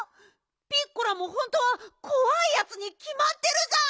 ピッコラもほんとはこわいやつにきまってるじゃん！